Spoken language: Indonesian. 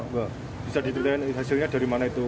bisa ditelan hasilnya dari mana itu